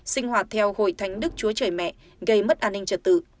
sinh hoạt theo hội thánh đức chúa trời mẹ gây mất an ninh trật tự